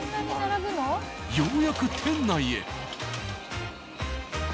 ようやく店内へ。